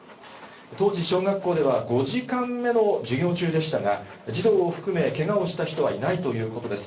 当時、小学校では５時間目の授業中でしたが、児童を含め、けがをした人はいないということです。